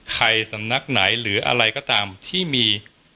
สำนักไหนหรืออะไรก็ตามที่มี